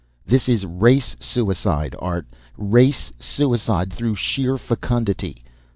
"This is race suicide, Art. Race suicide through sheer fecundity.